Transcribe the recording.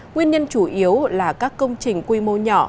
nguyên nhân chủ yếu là các công trình quy mô nhỏ